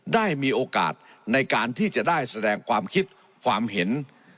ได้มีโอกาสในการที่จะได้แสดงความคิดความเห็น